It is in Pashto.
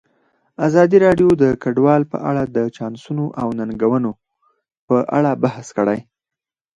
ازادي راډیو د کډوال په اړه د چانسونو او ننګونو په اړه بحث کړی.